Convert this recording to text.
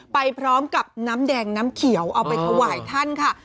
ไปพร้อมกับน้ำแดงน้ำเขียวเอาไปถวายท่านค่ะ